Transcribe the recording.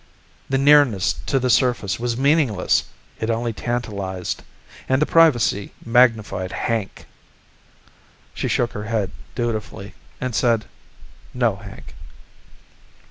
The nearness to the surface was meaningless; it only tantalized. And the privacy magnified Hank._ She shook her head dutifully and said, "No, Hank."